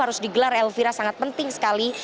harus digelar elvira sangat penting sekali